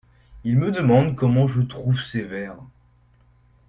Il me demande comment je trouve ses vers…